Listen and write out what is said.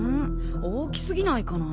大き過ぎないかな。